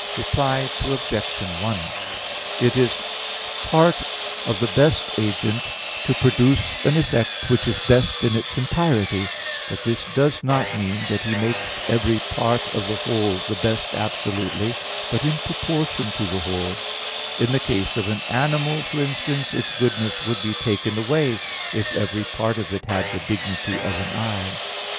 Reply Obj. 1: It is part of the best agent to produce an effect which is best in its entirety; but this does not mean that He makes every part of the whole the best absolutely, but in proportion to the whole; in the case of an animal, for instance, its goodness would be taken away if every part of it had the dignity of an eye.